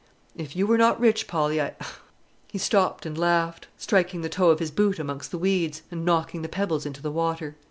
If you were not rich, Polly, I " He stopped and laughed, striking the toe of his boot amongst the weeds, and knocking the pebbles into the water.